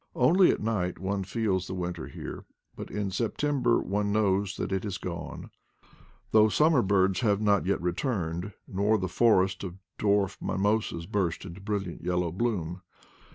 Only at night one feels the winter here, but in September one knows that it has gone, though 132 IDLE DATS IN PATAGONIA summer birds have not yet returned, nor the for est of dwarf mimosas burst into brilliant yellow bloom.